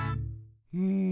うん。